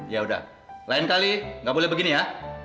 ya udah lain kali nggak boleh begini ya